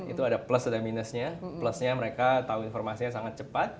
itu ada plus ada minusnya plusnya mereka tahu informasinya sangat cepat